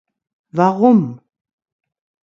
Warum?